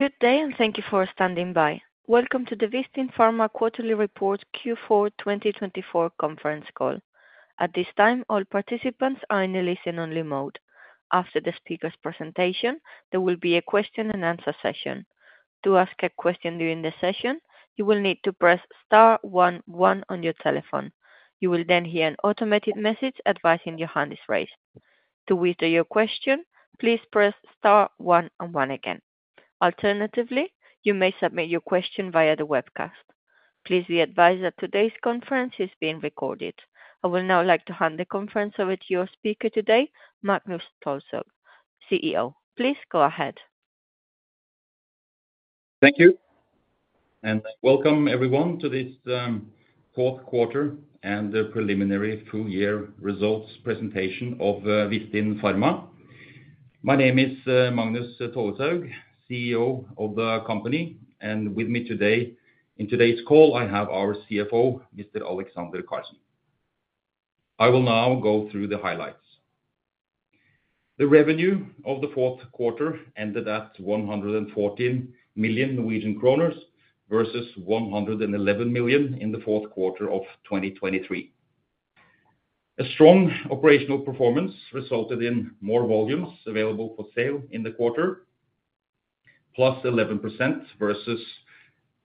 Good day, and thank you for standing by. Welcome to the Vistin Pharma Quarterly Report Q4 2024 Conference Call. At this time, all participants are in a listen-only mode. After the speaker's presentation, there will be a question-and-answer session. To ask a question during the session, you will need to press star one one on your telephone. You will then hear an automated message advising your hand is raised. To withdraw your question, please press star one one again. Alternatively, you may submit your question via the webcast. Please be advised that today's conference is being recorded. I would now like to hand the conference over to your speaker today, Magnus Tolleshaug, CEO. Please go ahead. Thank you, and welcome everyone to this fourth quarter and the preliminary full-year results presentation of Vistin Pharma. My name is Magnus Tolleshaug, CEO of the company, and with me today in today's call, I have our CFO, Mr. Alexander Karlsen. I will now go through the highlights. The revenue of the fourth quarter ended at 114 million Norwegian kroner versus 111 million in the fourth quarter of 2023. A strong operational performance resulted in more volumes available for sale in the quarter, plus 11% versus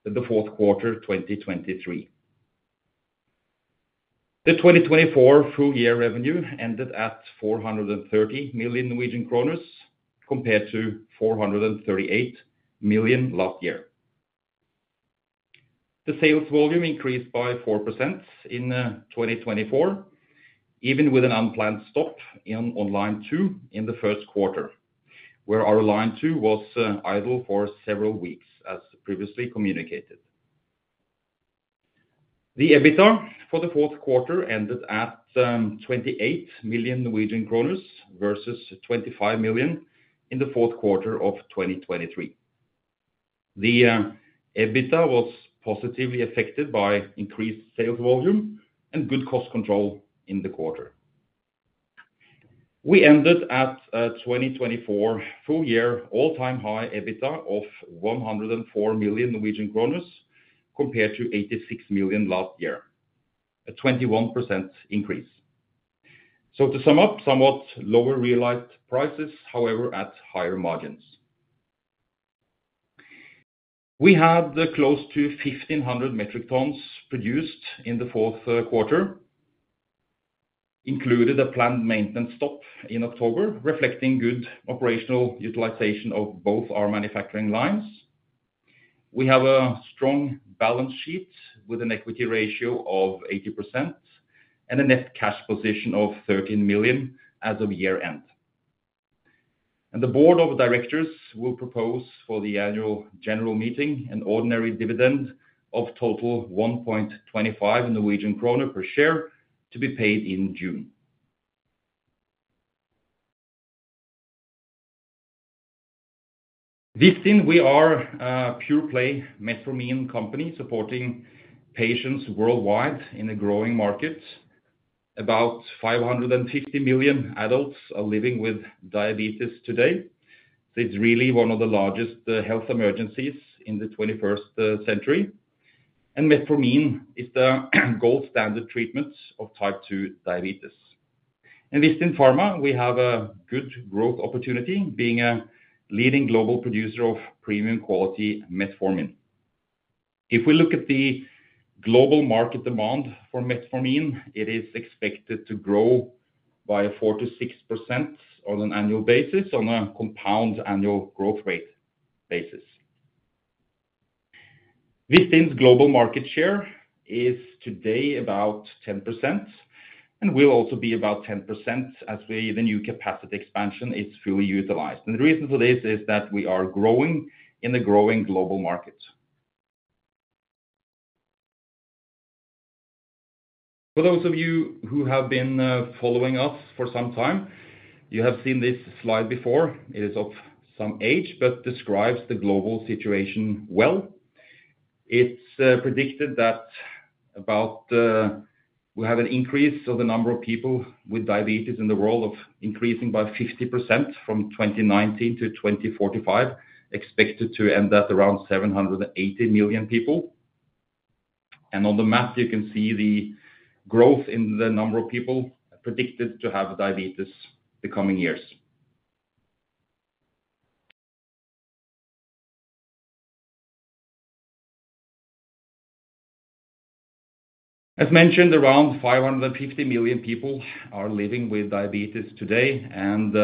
the fourth quarter 2023. The 2024 full-year revenue ended at 430 million Norwegian kroner compared to 438 million last year. The sales volume increased by 4% in 2024, even with an unplanned stop in Line 2 in the first quarter, where our Line 2 was idle for several weeks, as previously communicated. The EBITDA for the fourth quarter ended at 28 million Norwegian kroner versus 25 million in the fourth quarter of 2023. The EBITDA was positively affected by increased sales volume and good cost control in the quarter. We ended at a 2024 full-year all-time high EBITDA of 104 million Norwegian kroner compared to 86 million last year, a 21% increase. To sum up, somewhat lower realized prices, however, at higher margins. We had close to 1,500 metric tons produced in the fourth quarter, included a planned maintenance stop in October, reflecting good operational utilization of both our manufacturing lines. We have a strong balance sheet with an equity ratio of 80% and a net cash position of 13 million as of year-end. The board of directors will propose for the annual general meeting an ordinary dividend of total 1.25 Norwegian kroner per share to be paid in June. Vistin, we are a pure-play metformin company supporting patients worldwide in a growing market. About 550 million adults are living with diabetes today. It is really one of the largest health emergencies in the 21st century. Metformin is the gold standard treatment of Type 2 diabetes. In Vistin Pharma, we have a good growth opportunity, being a leading global producer of premium quality metformin. If we look at the global market demand for metformin, it is expected to grow by 4%-6% on an annual basis on a compound annual growth rate basis. Vistin's global market share is today about 10% and will also be about 10% as the new capacity expansion is fully utilized. The reason for this is that we are growing in the growing global market. For those of you who have been following us for some time, you have seen this slide before. It is of some age, but describes the global situation well. It is predicted that we have an increase of the number of people with diabetes in the world of increasing by 50% from 2019 to 2045, expected to end at around 780 million people. On the map, you can see the growth in the number of people predicted to have diabetes in the coming years. As mentioned, around 550 million people are living with diabetes today, and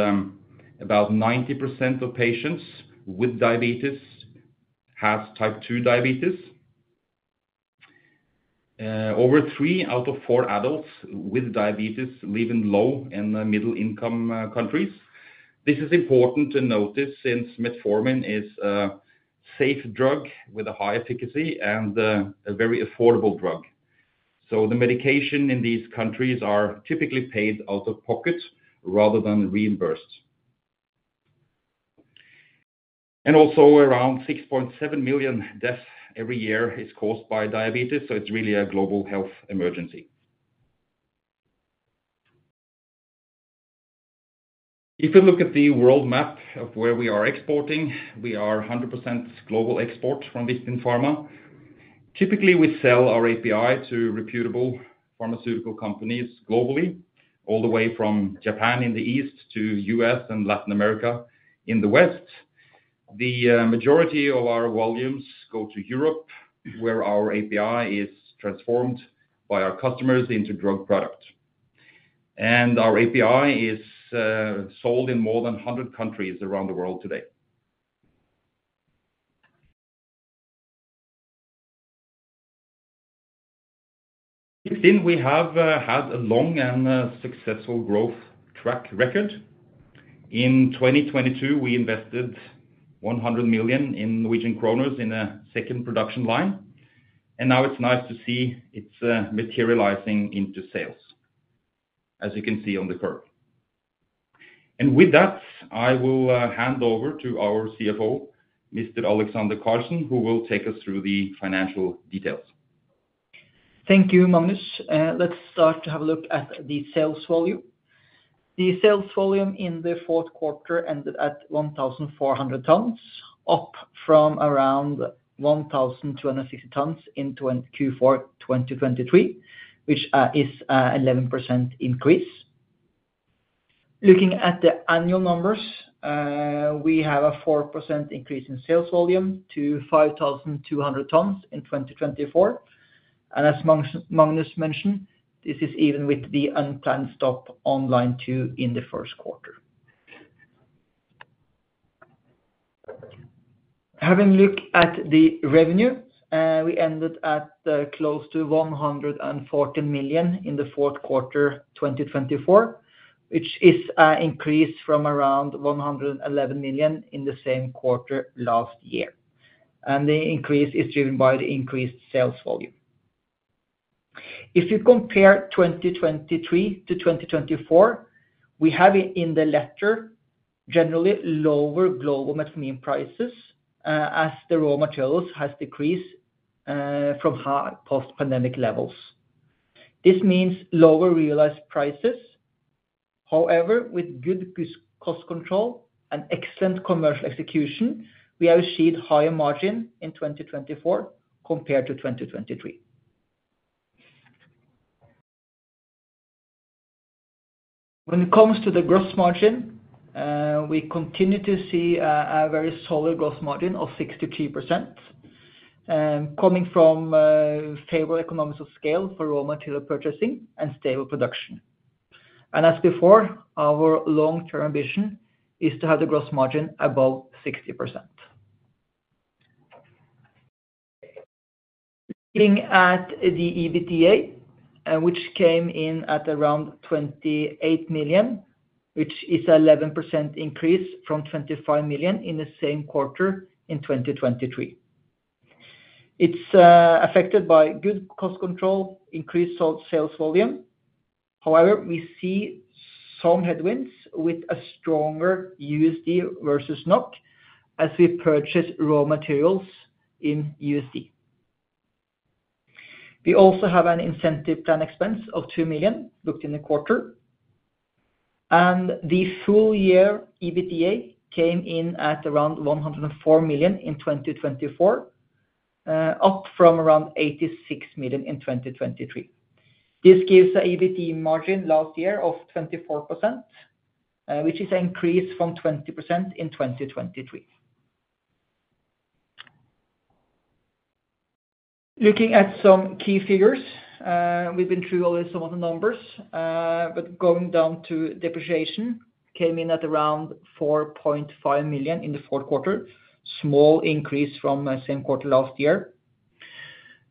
about 90% of patients with diabetes have Type 2 diabetes. Over three out of four adults with diabetes live in low and middle-income countries. This is important to notice since metformin is a safe drug with a high efficacy and a very affordable drug. The medication in these countries is typically paid out of pocket rather than reimbursed. Also, around 6.7 million deaths every year are caused by diabetes, so it's really a global health emergency. If we look at the world map of where we are exporting, we are 100% global export from Vistin Pharma. Typically, we sell our API to reputable pharmaceutical companies globally, all the way from Japan in the east to the U.S. and Latin America in the west. The majority of our volumes go to Europe, where our API is transformed by our customers into drug product. Our API is sold in more than 100 countries around the world today. Vistin, we have had a long and successful growth track record. In 2022, we invested 100 million in a second production line, and now it's nice to see it's materializing into sales, as you can see on the curve. With that, I will hand over to our CFO, Mr. Alexander Karlsen, who will take us through the financial details. Thank you, Magnus. Let's start to have a look at the sales volume. The sales volume in the fourth quarter ended at 1,400 tons, up from around 1,260 tons in Q4 2023, which is an 11% increase. Looking at the annual numbers, we have a 4% increase in sales volume to 5,200 tons in 2024. As Magnus mentioned, this is even with the unplanned stop on Line 2 in the first quarter. Having a look at the revenue, we ended at close to 114 million in the fourth quarter 2024, which is an increase from around 111 million in the same quarter last year. The increase is driven by the increased sales volume. If you compare 2023 to 2024, we have in the latter generally lower global metformin prices as the raw materials have decreased from high post-pandemic levels. This means lower realized prices. However, with good cost control and excellent commercial execution, we have achieved higher margins in 2024 compared to 2023. When it comes to the gross margin, we continue to see a very solid gross margin of 63%, coming from favorable economical of scale for raw material purchasing and stable production. As before, our long-term ambition is to have the gross margin above 60%. Looking at the EBITDA, which came in at around 28 million, which is an 11% increase from 25 million in the same quarter in 2023. It is affected by good cost control, increased sales volume. However, we see some headwinds with a stronger USD versus NOK as we purchase raw materials in USD. We also have an incentive plan expense of 2 million booked in the quarter. The full-year EBITDA came in at around 104 million in 2024, up from around 86 million in 2023. This gives an EBITDA margin last year of 24%, which is an increase from 20% in 2023. Looking at some key figures, we've been through already some of the numbers, but going down to depreciation came in at around 4.5 million in the fourth quarter, a small increase from the same quarter last year.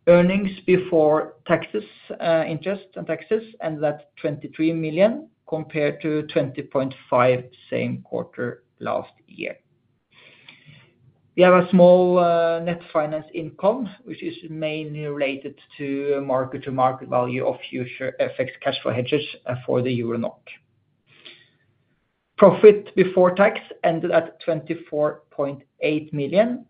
Earnings before taxes, interest and taxes, ended at 23 million compared to 20.5 million same quarter last year. We have a small net finance income, which is mainly related to mark-to-market value of future FX cash flow hedges for the EUR/NOK. Profit before tax ended at 24.8 million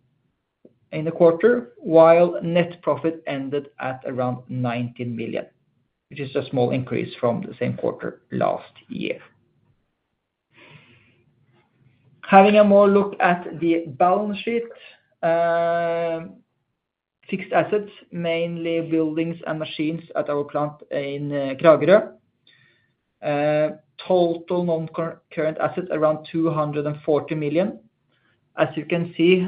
in the quarter, while net profit ended at around 19 million, which is a small increase from the same quarter last year. Having a more look at the balance sheet, fixed assets, mainly buildings and machines at our plant in Kragerø. Total non-current assets, around 240 million. As you can see,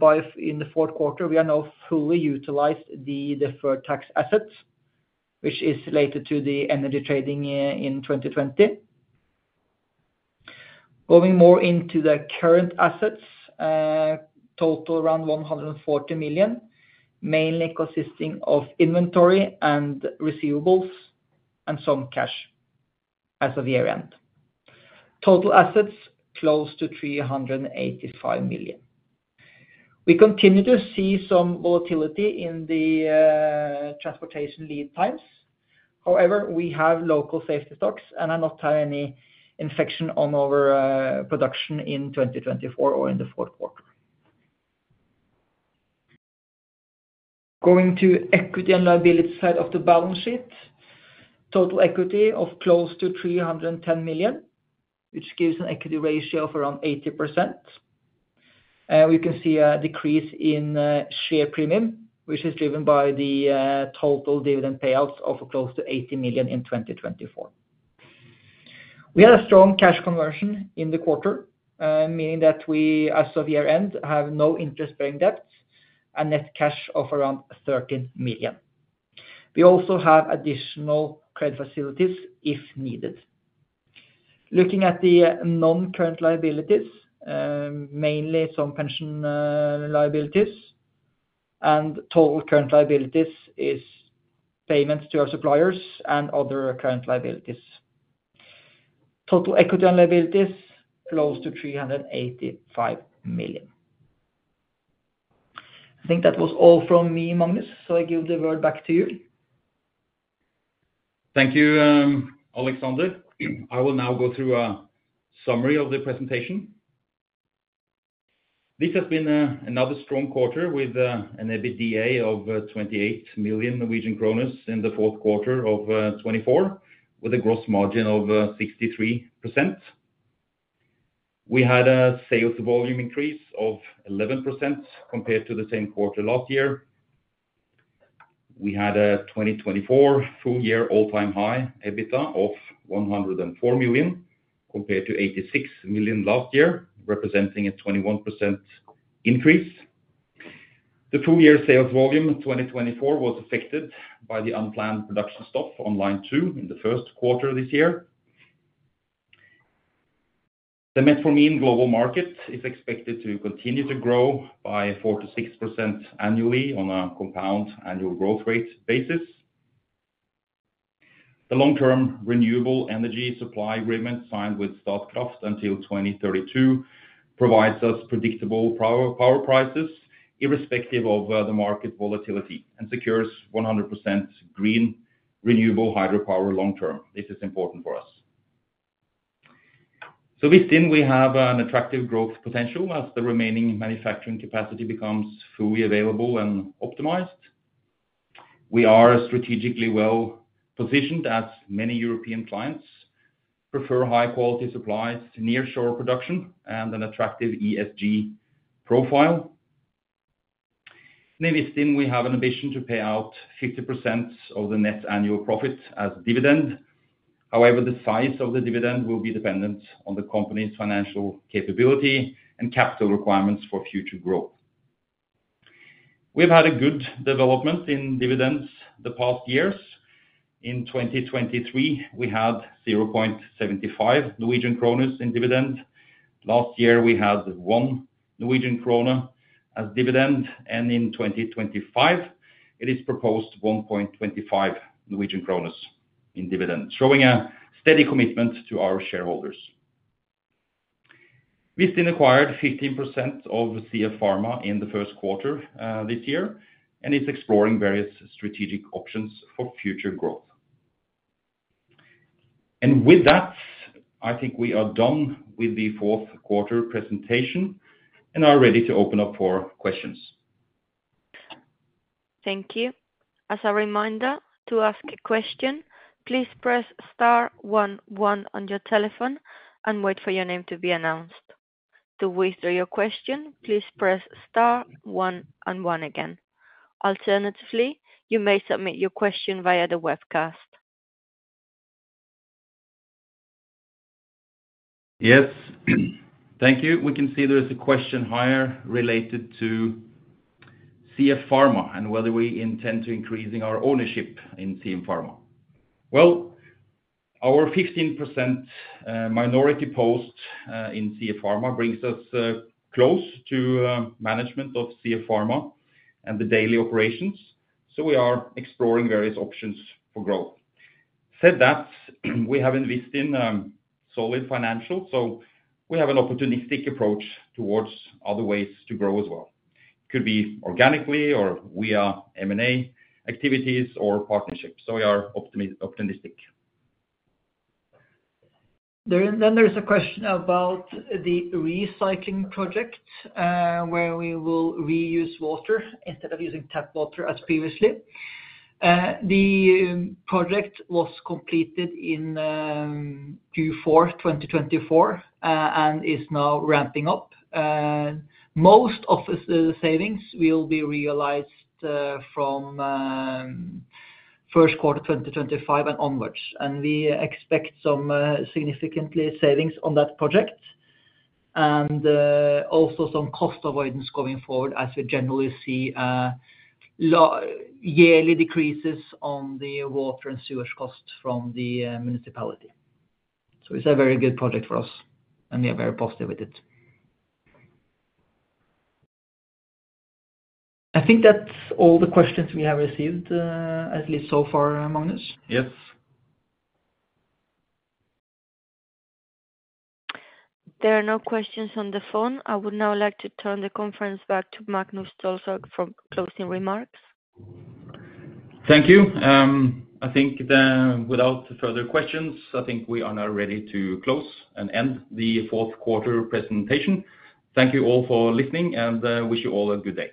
by in the fourth quarter, we have now fully utilized the deferred tax assets, which is related to the energy trading in 2020. Going more into the current assets, total around 140 million, mainly consisting of inventory and receivables and some cash as of year-end. Total assets close to 385 million. We continue to see some volatility in the transportation lead times. However, we have local safety stocks and are not having any infection on our production in 2024 or in the fourth quarter. Going to equity and liability side of the balance sheet, total equity of close to 310 million, which gives an equity ratio of around 80%. We can see a decrease in share premium, which is driven by the total dividend payouts of close to 80 million in 2024. We had a strong cash conversion in the quarter, meaning that we, as of year-end, have no interest-bearing debt and net cash of around 13 million. We also have additional credit facilities if needed. Looking at the non-current liabilities, mainly some pension liabilities, and total current liabilities is payments to our suppliers and other current liabilities. Total equity and liabilities close to 385 million. I think that was all from me, Magnus, so I give the word back to you. Thank you, Alexander. I will now go through a summary of the presentation. This has been another strong quarter with an EBITDA of 28 million Norwegian kroner in the fourth quarter of 2024, with a gross margin of 63%. We had a sales volume increase of 11% compared to the same quarter last year. We had a 2024 full-year all-time high EBITDA of 104 million compared to 86 million last year, representing a 21% increase. The full-year sales volume in 2024 was affected by the unplanned production stop on Line 2 in the first quarter of this year. The metformin global market is expected to continue to grow by 4%-6% annually on a compound annual growth rate basis. The long-term renewable energy supply agreement signed with Statkraft until 2032 provides us predictable power prices irrespective of the market volatility and secures 100% green renewable hydropower long-term. This is important for us. Vistin, we have an attractive growth potential as the remaining manufacturing capacity becomes fully available and optimized. We are strategically well positioned as many European clients prefer high-quality supplies, nearshore production, and an attractive ESG profile. In Vistin, we have an ambition to pay out 50% of the net annual profit as dividend. However, the size of the dividend will be dependent on the company's financial capability and capital requirements for future growth. We've had a good development in dividends the past years. In 2023, we had 0.75 Norwegian kroner in dividend. Last year, we had 1 Norwegian kroner in dividend, and in 2025, it is proposed 1.25 Norwegian kroner in dividend, showing a steady commitment to our shareholders. Vistin acquired 15% of CF Pharma in the first quarter this year and is exploring various strategic options for future growth. I think we are done with the fourth quarter presentation and are ready to open up for questions. Thank you. As a reminder, to ask a question, please press star one one on your telephone and wait for your name to be announced. To withdraw your question, please press star one one again. Alternatively, you may submit your question via the webcast. Yes. Thank you. We can see there is a question here related to CF Pharma and whether we intend to increase our ownership in CF Pharma. Our 15% minority post in CF Pharma brings us close to management of CF Pharma and the daily operations, so we are exploring various options for growth. Said that, we have in Vistin solid financials, so we have an opportunistic approach towards other ways to grow as well. It could be organically or via M&A activities or partnerships, so we are optimistic. There is a question about the recycling project where we will reuse water instead of using tap water as previously. The project was completed in Q4 2024 and is now ramping up. Most of the savings will be realized from first quarter 2025 and onwards, and we expect some significant savings on that project and also some cost avoidance going forward as we generally see yearly decreases on the water and sewage costs from the municipality. It is a very good project for us, and we are very positive with it. I think that's all the questions we have received, at least so far, Magnus. Yes. There are no questions on the phone. I would now like to turn the conference back to Magnus Tolleshaug for closing remarks. Thank you. I think without further questions, I think we are now ready to close and end the fourth quarter presentation. Thank you all for listening and wish you all a good day.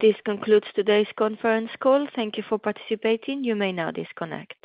This concludes today's conference call. Thank you for participating. You may now disconnect.